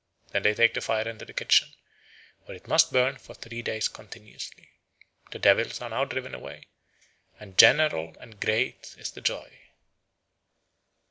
Then they take the fire into the kitchen, where it must burn for three days continuously. The devils are now driven away, and great and general is the joy.